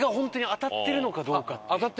当たってるかどうか？